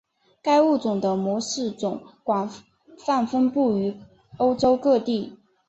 该物种的模式种广泛分布于欧洲各地。